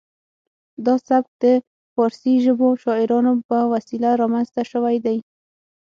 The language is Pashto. دا سبک د پارسي ژبو شاعرانو په وسیله رامنځته شوی دی